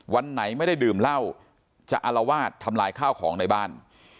วันไหนไม่ได้ดื่มเหล้าจะอารวาสทำลายข้าวของในบ้าน